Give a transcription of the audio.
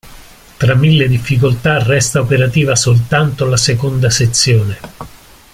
Tra mille difficoltà resta operativa soltanto la Seconda Sezione.